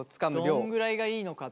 どんぐらいがいいのかっていうこと。